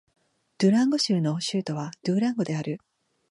ドゥランゴ州の州都はドゥランゴである